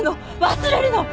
忘れるの！